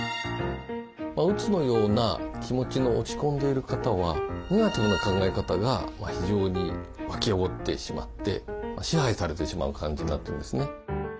うつのような気持ちの落ち込んでいる方はネガティブな考え方が非常に湧き起こってしまって支配されてしまう感じになってるんですね。